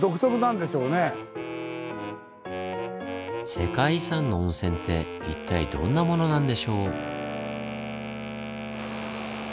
世界遺産の温泉って一体どんなものなんでしょう？